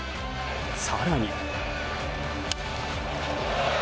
更に。